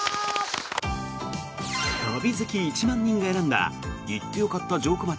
旅好き１万人が選んだ行ってよかった城下町